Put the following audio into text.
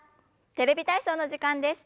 「テレビ体操」の時間です。